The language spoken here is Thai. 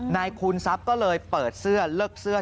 นายคูณซับก็เลยเปิดเสื้อเลิกเสื้อ